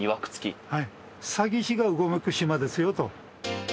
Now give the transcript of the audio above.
詐欺師がうごめく島ですよと。